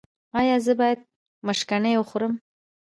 ایا زه باید مشګڼې وخورم؟